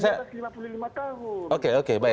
hukum yang tidak berhenti